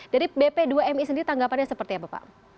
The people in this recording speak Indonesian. dari bp dua mi sendiri tanggapannya seperti apa pak